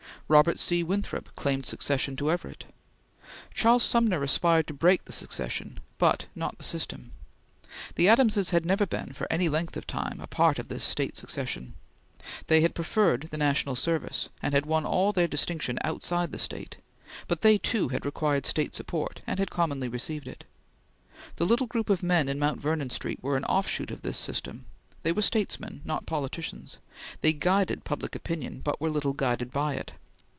Robert C. Winthrop claimed succession to Everett. Charles Sumner aspired to break the succession, but not the system. The Adamses had never been, for any length of time, a part of this State succession; they had preferred the national service, and had won all their distinction outside the State, but they too had required State support and had commonly received it. The little group of men in Mount Vernon Street were an offshoot of this system; they were statesmen, not politicians; they guided public opinion, but were little guided by it.